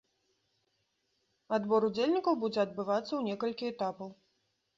Адбор удзельнікаў будзе адбывацца ў некалькі этапаў.